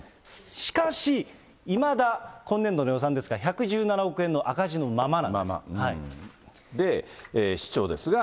しかし、いまだ今年度の予算ですが、１１７億円の赤字のままなんで、市長ですが。